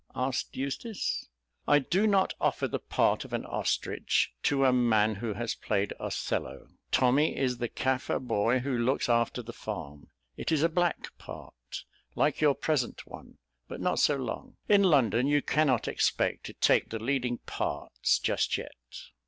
asked Eustace. "I do not offer the part of an ostrich to a man who has played Othello. Tommy is the Kaffir boy who looks after the farm. It is a black part, like your present one, but not so long. In London you cannot expect to take the leading parts just yet."